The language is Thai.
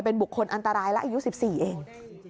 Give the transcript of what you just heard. เป็นบุคคลอันตรายและอายุ๑๔เอง